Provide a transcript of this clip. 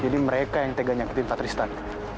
jadi mereka yang tega nyakitin patristan